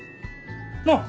なっ。